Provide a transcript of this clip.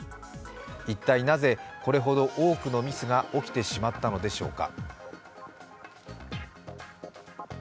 一体なぜこれほど多くのミスが起きてしまったのでしょうか。